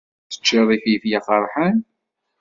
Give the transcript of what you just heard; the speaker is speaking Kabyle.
Teččiḍ ifelfel aqeṛḥan.